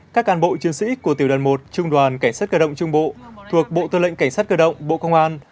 các cán bộ chiến sĩ của tiểu đoàn một trung đoàn cảnh sát cơ động trung bộ thuộc bộ tư lệnh cảnh sát cơ động bộ công an